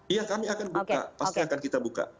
iya kami akan buka pasti akan kita buka